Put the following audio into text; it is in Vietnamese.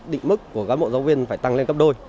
định mức của các bộ giáo viên phải tăng lên cấp đôi